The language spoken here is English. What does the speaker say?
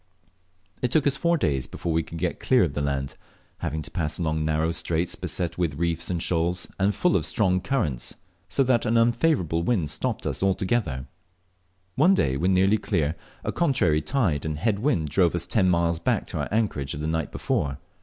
It took us four days before we could get clear of the land, having to pass along narrow straits beset with reefs and shoals, and full of strong currents, so that an unfavourable wind stopped us altogether. One day, when nearly clear, a contrary tide and head wind drove us ten miles back to our anchorage of the night before.